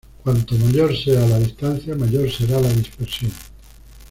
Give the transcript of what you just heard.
Cuando mayor sea la distancia, mayor será la dispersión.